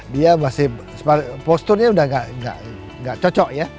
dia masih posturnya sudah tidak cocok ya